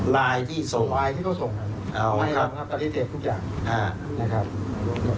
ลายที่ส่งลายที่เขาส่งอ๋อครับที่เสพทุกอย่างอ่านะครับ